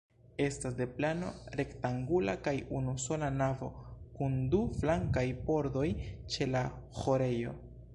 Estas de plano rektangula kaj unusola navo, kun du flankaj pordoj ĉe la ĥorejo.